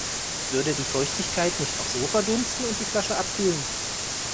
Würde die Feuchtigkeit nicht auch so verdunsten und die Flasche abkühlen?